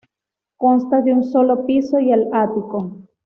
Consta de un solo piso y el ático.